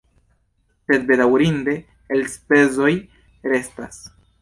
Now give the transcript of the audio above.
Sed bedaŭrinde elspezoj restas.